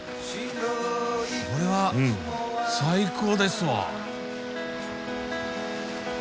これは最高ですわ。